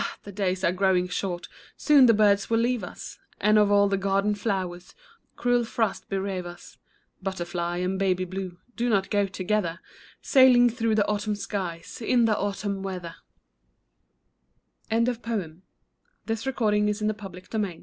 the days are growing short, Soon the birds will leave us. And of all the garden flowers Cruel frost bereave us. Butterfly and Baby Blue, Do not go together, Sailing through the autumn skies In the autumn weather 1 KING IVAN'S O